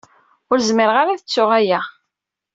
Ur zmireɣ ara ad ttuɣ aya.